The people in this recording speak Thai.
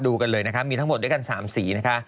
กันเลยนะคะมีทั้งหมดด้วยกัน๓สีนะคะ